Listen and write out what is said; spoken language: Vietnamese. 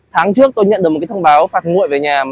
tháng trước tôi nhận được một cái thông báo phạt nguội về nhà